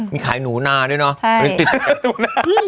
มีขายหนูหน้าด้วยเนอะติดหนูหน้า